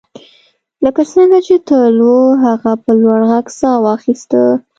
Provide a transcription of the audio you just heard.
لکه څنګه چې تل وو هغه په لوړ غږ ساه واخیسته